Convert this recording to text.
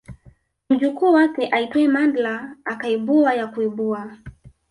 Mjukuu wake aitwaye Mandla akaibua ya kuibua